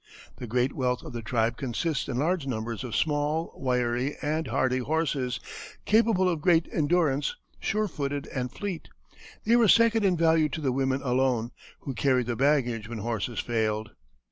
The great wealth of the tribe consists in large numbers of small, wiry, and hardy horses, capable of great endurance, sure footed and fleet. They were second in value to the women alone, who carried the baggage when horses failed.